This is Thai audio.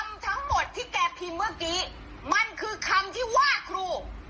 คำทั้งหมดที่แกพิมพ์เมื่อกี้มันคือคำที่ว่าครู